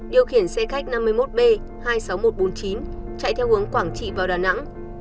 điều khiển xe khách năm mươi một b hai mươi sáu nghìn một trăm bốn mươi chín chạy theo hướng quảng trị vào đà nẵng